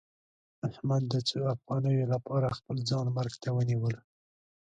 احمد د څو افغانیو لپاره خپل ځان مرګ ته ونیولو.